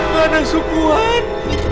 gak ada sukuan